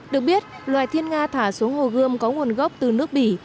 được biết loài thiên nga thả xuống hồ gươm có nguồn gốc từ nước bỉ